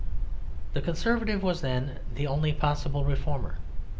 The Conservative was then the only possible reformer.